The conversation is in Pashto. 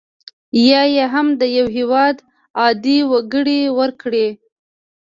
یا یې هم د یو هیواد عادي وګړي ورکړي.